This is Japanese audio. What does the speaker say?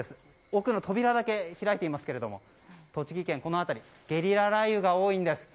奥の扉だけ開いていますが栃木県、この辺りはゲリラ雷雨が多いんです。